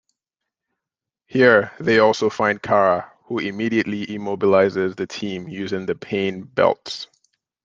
Here, they also find Kara, who immediately immobilizes the team using the pain belts.